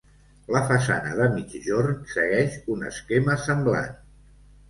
La façana de migjorn segueix un esquema semblant.